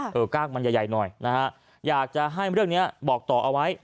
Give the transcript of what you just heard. ค่ะเออกล้างมันใหญ่ใหญ่หน่อยนะฮะอยากจะให้เรื่องเนี้ยบอกต่อเอาไว้